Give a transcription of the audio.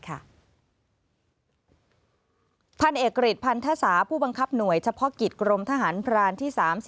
พันเอกริจพันธสาผู้บังคับหน่วยเฉพาะกิจกรมทหารพรานที่๓๐